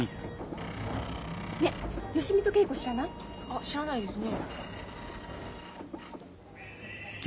あ知らないですね。